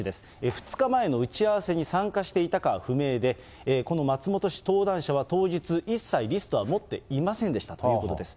２日前の打ち合わせに参加していたかは不明で、この松本氏、登壇者は当日、一切リストは持っていませんでしたということです。